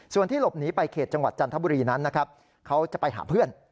ส่วนที่หลบหนีไปเขตจังหวัดจันทบุรีนั้นนะครับเขาจะไปหาเพื่อน